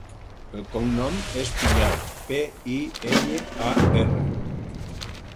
El cognom és Piñar: pe, i, enya, a, erra.